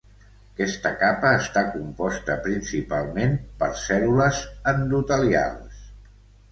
Aquesta capa està composta principalment per cèl·lules endotelials.